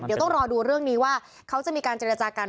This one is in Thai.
เดี๋ยวต้องรอดูเรื่องนี้ว่าเขาจะมีการเจรจากัน